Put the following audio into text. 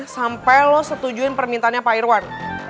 sampai lo setujuin permintaannya pak irwan